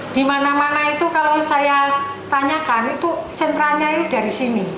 di mana mana itu kalau saya tanyakan itu sentranya ini dari sini